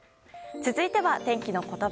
続いては、天気のことば。